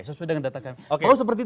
sesuai dengan data kami